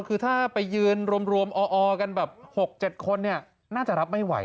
คือถ้าไปยืนรวมออกันแบบ๖๗คนน่าจะรับไม่ไหว